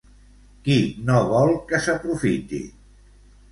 Qui no vol que s'aprofiti?